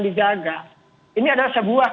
dijaga ini adalah sebuah